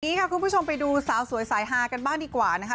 ค่ะคุณผู้ชมไปดูสาวสวยสายฮากันบ้างดีกว่านะคะ